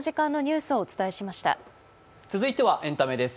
続いてはエンタメです。